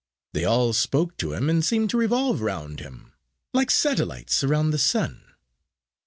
They all spoke to him, and seemed to revolve round him like satellites around the sun."